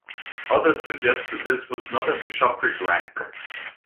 Others suggest that this was not an bishopric rank.